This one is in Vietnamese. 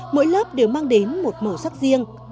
mỗi lớp đều mang đến một màu sắc riêng